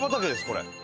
これ。